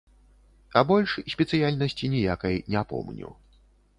А больш спецыяльнасці ніякай не помню.